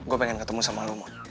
gue pengen ketemu sama lo mon